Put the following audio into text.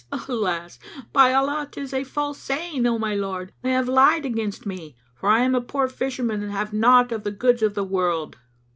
Alas! By Allah, 'tis a false saying, O my lord, and they have lied against me; for I am a poor fisherman and have naught of the goods of the world!"